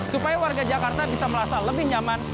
supaya warga jakarta bisa merasa lebih nyaman